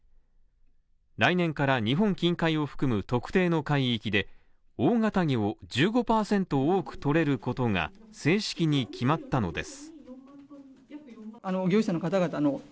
来年から日本近海を含む特定の海域で大型魚を１５％多く取れることが正式に決まったのです。